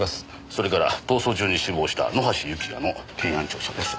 それから逃走中に死亡した野橋幸也の検案調書です。